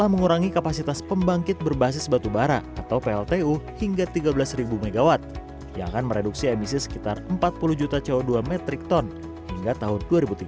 mencapai emisi net trik ton hingga tahun dua ribu tiga puluh